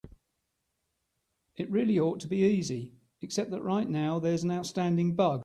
It really ought to be easy, except that right now there's an outstanding bug.